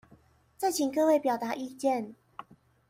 再請各位表達意見